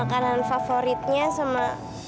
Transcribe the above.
makanan favoritnya sama